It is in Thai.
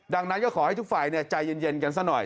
ดังนั้นก็ขอให้ทุกฝ่ายใจเย็นกันซะหน่อย